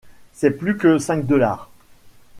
C’est plus que cinq dollars.